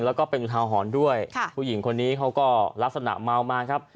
แล้วก็เป็นอุทาหรณ์ด้วยผู้หญิงคนนี้เขาก็ลักษณะเมามาครับ